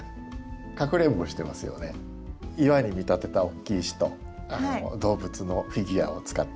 岩に見立てた大きい石と動物のフィギュアを使って。